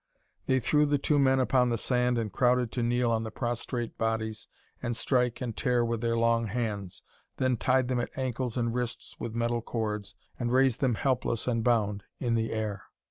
They threw the two men upon the sand and crowded to kneel on the prostrate bodies and strike and tear with their long hands, then tied them at ankles and wrists with metal cords, and raised them helpless and bound in the air.